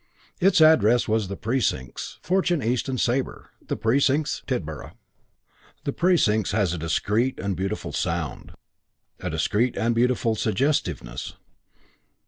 Its address was The Precincts, Fortune, East and Sabre, The Precincts, Tidborough. The Precincts has a discreet and beautiful sound, a discreet and beautiful suggestiveness.